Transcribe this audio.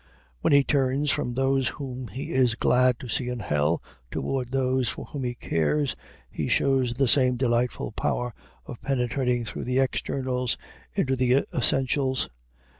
When he turns from those whom he is glad to see in hell toward those for whom he cares, he shows the same delightful power of penetrating through the externals into the essentials.